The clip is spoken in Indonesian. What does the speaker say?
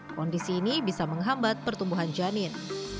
kondisi ini bisa menghambat pertumbuhan janin